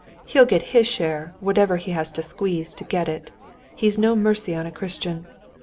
He'll get his share, however he has to squeeze to get it! He's no mercy on a Christian.